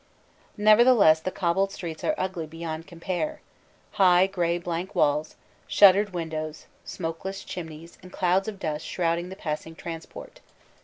Nevertheless the cobbled streets are ugly beyond compare, high gray blank walls, shuttered windows, smokeless chimneys and clouds of dust shrouding the passing transport.